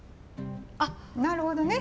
あっなるほどね！